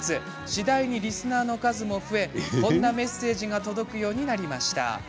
次第にリスナーの数も増えこんなメッセージが届くようになりました。